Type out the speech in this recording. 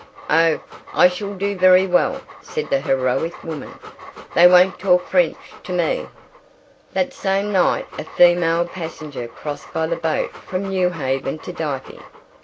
"Oh, I shall do very well," said the heroic woman. "They won't talk French to me!" That same night a female passenger crossed by the boat from Newhaven to Dieppe.